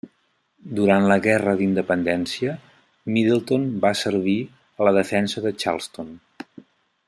Durant la Guerra d'Independència, Middleton va servir a la defensa de Charleston.